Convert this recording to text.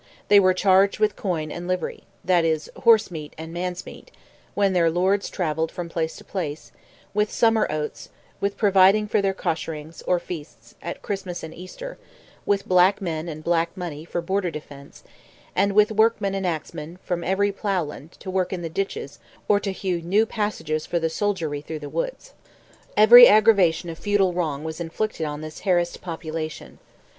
They were charged with coin and livery—that is, horse meat and man's meat —when their lords travelled from place to place—with summer oats, with providing for their cosherings, or feasts, at Christmas and Easter, with "black men and black money," for border defence, and with workmen and axemen from every ploughland, to work in the ditches, or to hew passages for the soldiery through the woods. Every aggravation of feudal wrong was inflicted on this harassed population.